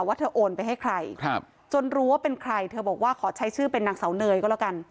ว่าเธอโอนไปให้ใครครับจนรู้ว่าเป็นใครเธอบอกว่าขอใช้ชื่อเป็นนางเสาเนยก็แล้วกัน